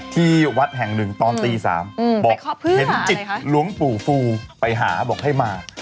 ที่วัดแห่งหนึ่งตอนตี๓บอกเห็นจิตหลวงปู่ฟูไปหาบอกให้มา